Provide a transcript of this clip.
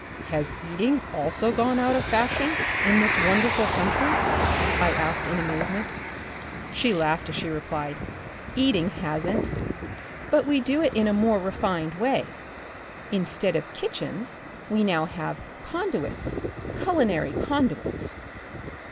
" Has eating also gone out of fashion in this wonderful country ?" I asked in amazement. She laughed as she replied, " Eating hasn't, but we do it in a more refined way. Instead of kitchens we now have conduits, culinary conduits."